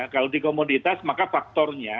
kalau dikomoditas maka faktornya